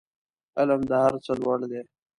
علم د هر څه لوړ دی